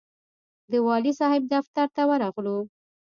د والي صاحب دفتر ته ورغلو.